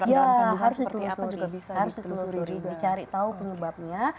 ya harus ditelusuri dicari tahu penyebabnya